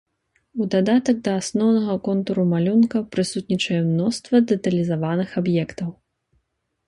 У дадатак да асноўнага контуру малюнка, прысутнічае мноства дэталізаваных аб'ектаў.